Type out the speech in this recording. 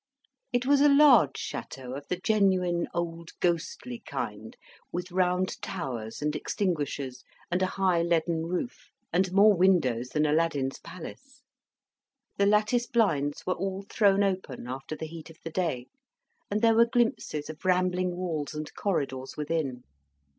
It was a large chateau of the genuine old ghostly kind, with round towers, and extinguishers, and a high leaden roof, and more windows than Aladdin's Palace. The lattice blinds were all thrown open after the heat of the day, and there were glimpses of rambling walls and corridors within.